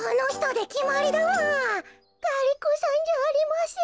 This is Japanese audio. ガリ子さんじゃありません。